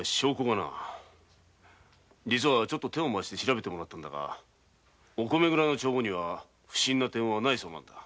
実は手を回して調べてもらったのだが御米蔵の帳簿に不審な点はないそうだ。